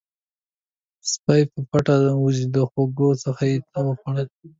سپی په پټه د وزې له خواږو څخه یو څه وخوړل.